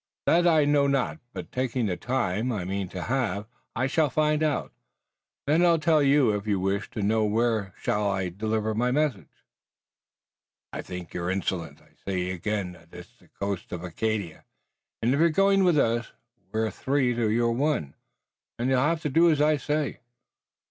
"That I know not, but taking the time, I mean to have, I shall find out. Then I'll tell you if you wish to know. Where shall I deliver my message?" "I think you're insolent. I say again that it's the coast of Acadia, and you're going with us. We're three to your one, and you'll have to do as I say."